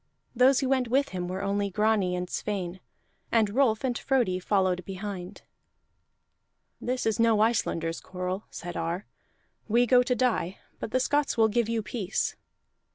Those who went with him were only Grani and Sweyn, and Rolf and Frodi followed behind. "This is no Icelanders quarrel," said Ar. "We go to die, but the Scots will give you peace."